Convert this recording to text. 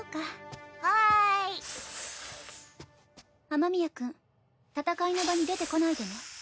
雨宮君戦いの場に出てこないでね。